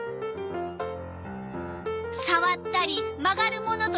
さわったり曲がるものとくらべたり。